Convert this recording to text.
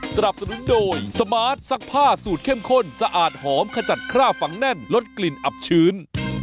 สนับสนุนโดยสมาร์ทซักผ้าสูตรเข้มข้นสะอาดหอมขจัดคราบฝังแน่นลดกลิ่นอับชื้น